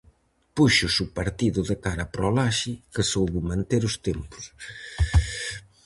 Púxose o partido de cara para o Laxe, que soubo manter os tempos.